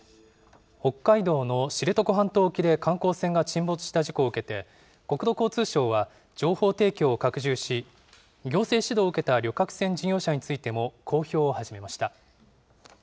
北海道の知床半島沖で観光船が沈没した事故を受けて、国土交通省は、情報提供を拡充し、行政指導を受けた旅客船事業者についても公表を始めました。